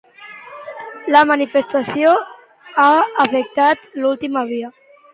La manifestació ha afectat l'última via?